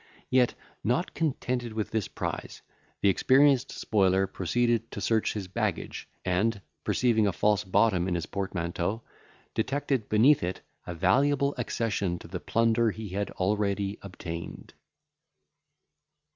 Yet, not contented with this prize, the experienced spoiler proceeded to search his baggage, and, perceiving a false bottom in his portmanteau, detected beneath it a valuable accession to the plunder he had already obtained.